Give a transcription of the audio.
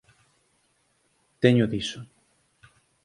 Teño diso.